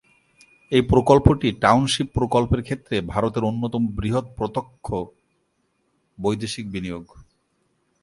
এই প্রকল্পটি টাউনশিপ প্রকল্পের ক্ষেত্রে ভারতের অন্যতম বৃহৎ প্রত্যক্ষ বৈদেশিক বিনিয়োগ।